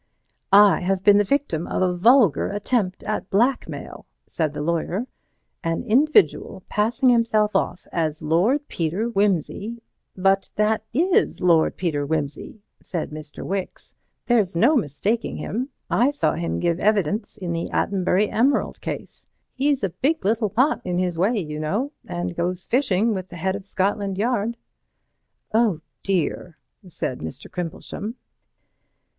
"I have been the victim of a vulgar attempt at blackmail," said the lawyer; "an individual passing himself off as Lord Peter Wimsey—" "But that is Lord Peter Wimsey," said Mr. Wicks, "there's no mistaking him. I saw him give evidence in the Attenbury emerald case. He's a big little pot in his way, you know, and goes fishing with the head of Scotland Yard." "Oh, dear," said Mr. Crimplesham.